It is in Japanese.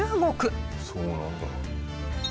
そうなんだ。